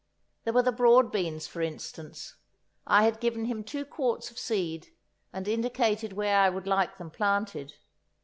There were the broad beans, for instance; I had given him two quarts of seed, and indicated where I would like them planted.